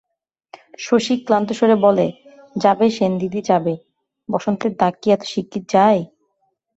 শশী ক্লান্তস্বরে বলে, যাবে সেনদিদি যাবে, বসন্তের দাগ কি এত শিগগির যায়?